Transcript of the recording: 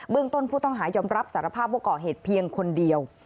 เบื้องต้นผู้ต้องหายอำรับสารภาพว่าเกาะเหตุเพียงคนเดียว